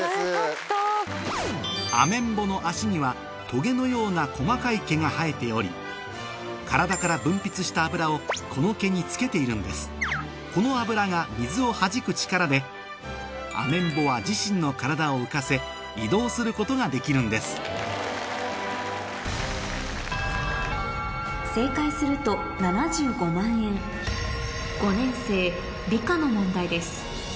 アメンボの脚にはトゲのようなが生えており体から分泌した油をこの毛につけているんですこの油が水をはじく力でアメンボは自身の体を浮かせ移動することができるんですの問題です